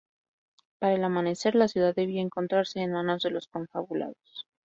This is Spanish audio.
Para el amanecer, la ciudad debía encontrarse en manos de los confabulados.